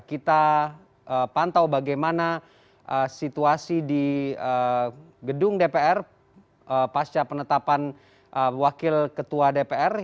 kita pantau bagaimana situasi di gedung dpr pasca penetapan wakil ketua dpr